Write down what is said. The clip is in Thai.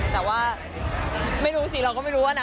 แต่ว่าไม่รู้สิเราก็ไม่รู้ว่านะ